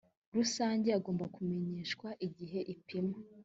rusange agomba kumenyeshwa igihe ipima